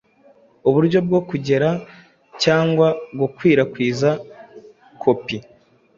uburyo bwo kugera cyangwa gukwirakwiza kopi